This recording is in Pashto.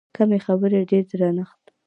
کمې خبرې، ډېر درنښت.